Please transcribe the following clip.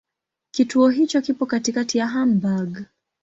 Kituo hicho kipo katikati ya Hamburg.